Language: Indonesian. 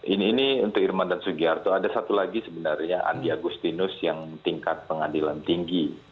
ini untuk irman dan sugiharto ada satu lagi sebenarnya andi agustinus yang tingkat pengadilan tinggi